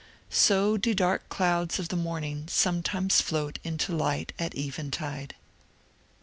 So do dark clouds of the morning sometimes float into light at eventide.